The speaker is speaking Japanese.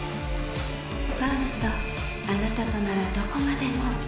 ファウストあなたとならどこまでも。